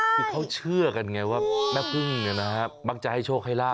คือเขาเชื่อกันไงว่าแม่เพิ่งเนี่ยนะครับบางใจโชคให้ลาบ